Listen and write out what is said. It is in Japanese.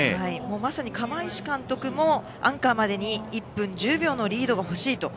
まさに釜石監督もアンカーまでに１分１０秒のリードが欲しいと。